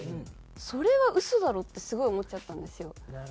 それは嘘だろってすごい思っちゃったんですよ。